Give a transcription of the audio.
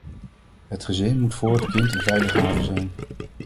Het gezin moet voor het kind een veilige haven zijn.